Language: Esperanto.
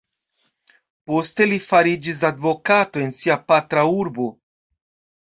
Poste li fariĝis advokato en sia patra urbo.